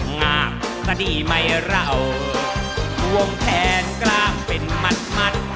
งากสดิไม่เหล่าวงแทนกลางเป็นมัดมัด